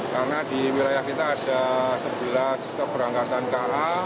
karena di wilayah kita ada sebelas keberangkatan ka